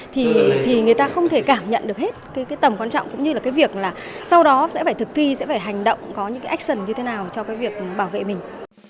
thì người ta không thể cảm nhận được hết cái tầm quan trọng cũng như là cái việc là sau đó sẽ phải thực thi sẽ phải hành động có những cái action như thế nào cho cái việc bảo vệ mình